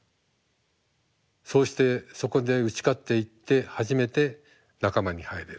そうしてそこで打ち勝っていって初めて仲間に入れる。